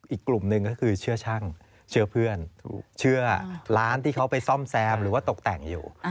อีกกลุ่มหนึ่งก็คือเชื่อช่างเชื่อเพื่อนเชื่อร้านที่เขาไปซ่อมแซมหรือว่าตกแต่งอยู่